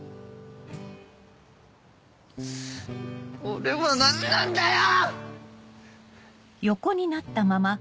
俺は何なんだよ‼